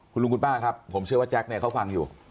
คุณลุงคุณป้าครับผมเชื่อว่าแจ็คเนี่ยเขาฟังอยู่